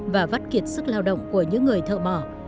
và vắt kiệt sức lao động của những người thợ mỏ